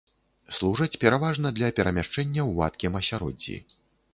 Служаць пераважна для перамяшчэння ў вадкім асяроддзі.